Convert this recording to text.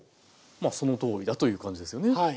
まあそのとおりだという感じですよね。